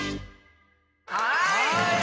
はい！